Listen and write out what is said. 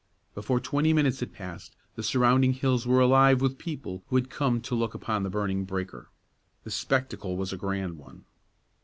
Before twenty minutes had passed, the surrounding hills were alive with people who had come to look upon the burning breaker. The spectacle was a grand one.